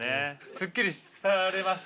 すっきりされました？